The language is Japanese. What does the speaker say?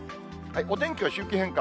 お天気は周期変化。